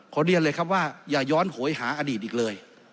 เรียนเลยครับว่าอย่าย้อนโหยหาอดีตอีกเลย